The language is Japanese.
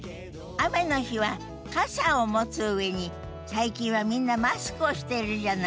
雨の日は傘を持つ上に最近はみんなマスクをしてるじゃない？